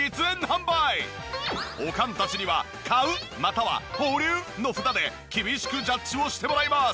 おかんたちには「買う」または「保留」の札で厳しくジャッジをしてもらいます。